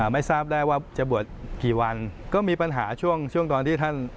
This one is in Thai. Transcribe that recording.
ไม่ทราบได้ว่าจะบวชกี่วันก็มีปัญหาช่วงช่วงตอนที่ท่าน